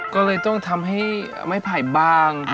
ก็เลยต้องทำให้ไม้ไผ่บาง